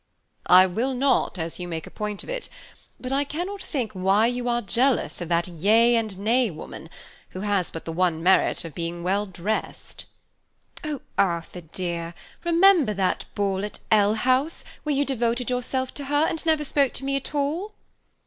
"I will not as you make a point of it; but I cannot think why you are jealous of that yea and nay woman, who has but the one merit of being well dressed." "Oh, Arthur dear, remember that ball at L— House, where you devoted yourself to her, and never spoke to me at all."